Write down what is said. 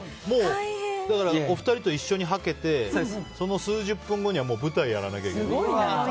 お二人と一緒にはけてその数十分後にはもう舞台やらなきゃいけない。